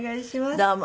どうも。